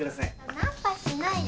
ナンパしないでよ。